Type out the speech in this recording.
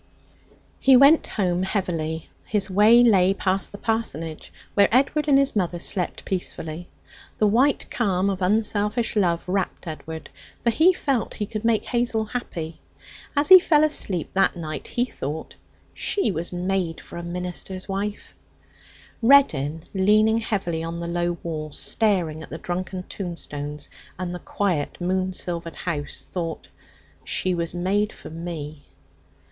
He went home heavily. His way lay past the parsonage where Edward and his mother slept peacefully. The white calm of unselfish love wrapped Edward, for he felt that he could make Hazel happy. As he fell asleep that night he thought: 'She was made for a minister's wife.' Reddin, leaning heavily on the low wall, staring at the drunken tombstones and the quiet moon silvered house, thought: 'She was made for me.'